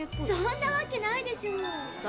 そんなわけないでしょ。